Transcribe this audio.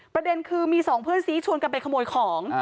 ประเด็นคือมีสองเพื่อนซี้ชวนกันไปขโมยของ